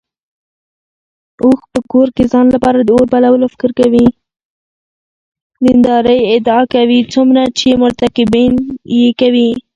دیندارۍ ادعا کوي څومره چې مرتکبین یې کوي.